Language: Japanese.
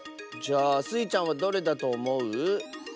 じゃあスイちゃんはどれだとおもう？